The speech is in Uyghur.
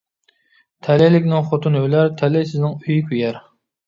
تەلەيلىكنىڭ خوتۇنى ئۆلەر، تەلەيسىزنىڭ ئۆيى كۆيەر.